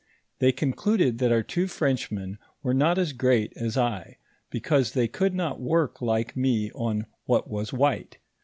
They concluded that our two Frenchmen were not as great as I, because they could not work like me on what was white.